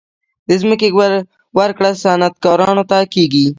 د ځمکې ورکړه صنعتکارانو ته کیږي